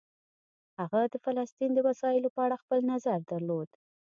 هغه د فلسطین د مسایلو په اړه خپل نظر درلود.